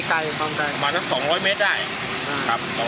ครับครับ